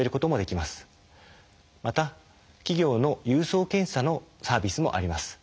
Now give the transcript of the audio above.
また企業の郵送検査のサービスもあります。